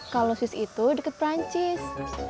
kalau swiss itu deket perancis